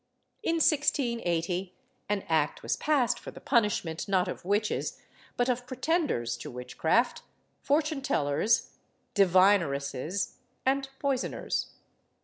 In 1680 an act was passed for the punishment, not of witches, but of pretenders to witchcraft, fortune tellers, divineresses, and poisoners.